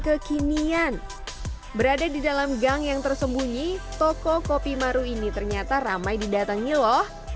kekinian berada di dalam gang yang tersembunyi toko kopi maru ini ternyata ramai didatangi loh